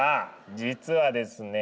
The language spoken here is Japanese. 実はですね